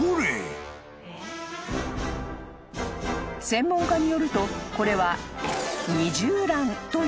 ［専門家によるとこれは］